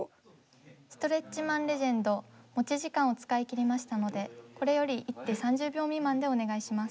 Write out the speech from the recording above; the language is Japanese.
ストレッチマン・レジェンド持ち時間を使い切りましたのでこれより一手３０秒未満でお願いします。